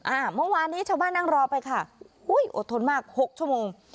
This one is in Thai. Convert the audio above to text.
เมื่อวานนี้ชาวบ้านนั่งรอไปค่ะอุ้ยอดทนมากหกชั่วโมง